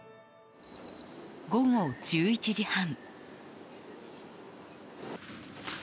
午後１１時半。